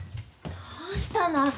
どうしたの？